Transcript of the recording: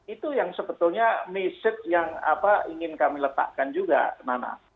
itu yang sebetulnya message yang ingin kami letakkan juga